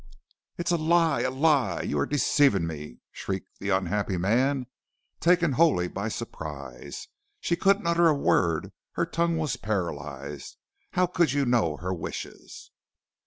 "'It is a lie, a lie; you are deceiving me!' shrieked the unhappy man, taken wholly by surprise. 'She couldn't utter a word; her tongue was paralyzed; how could you know her wishes?'